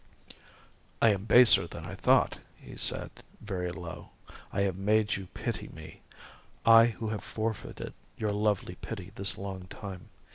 "I am baser than I thought," he said, very low. "I have made you pity me, I who have forfeited your lovely pity this long time.